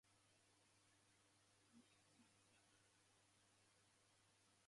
Thus this technology can be used to aseptically manufacture sterile pharmaceutical liquid dosage forms.